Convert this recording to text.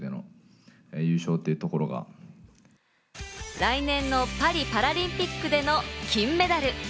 来年のパリパラリンピックでの金メダル。